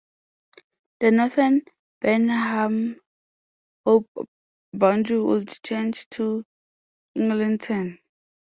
The northern Burnhamthorpe boundary would change to Eglinton.